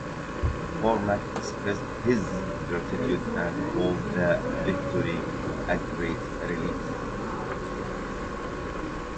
Cormack expressed his gratitude and called the victory a "great relief".